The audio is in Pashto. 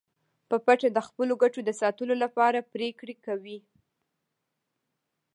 په پټه د خپلو ګټو د ساتلو لپاره پریکړې کوي